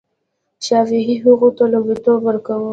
شفاهي هغو ته لومړیتوب ورکاوه.